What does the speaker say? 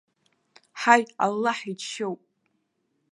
Ҳаи, аллаҳ иџьшьоуп!